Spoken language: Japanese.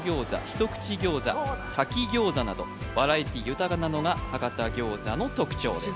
一口餃子炊き餃子などバラエティー豊かなのが博多餃子の特徴です